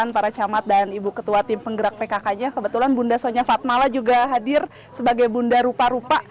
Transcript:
dan para camat dan ibu ketua tim penggerak pkk nya kebetulan bunda sonja fatmala juga hadir sebagai bunda rupa rupa